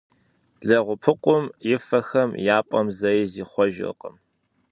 Лэгъупыкъум и фэхэм я пӏэм зэи зихъуэжыркъым.